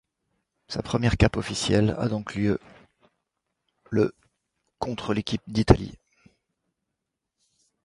Sa première cape officielle a donc lieu le contre l'équipe d'Italie.